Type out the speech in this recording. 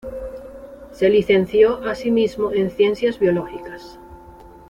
Se licenció asimismo en Ciencias Biológicas.